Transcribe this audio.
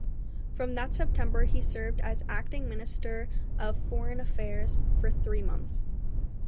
From that September he served as acting Minister of Foreign Affairs for three months.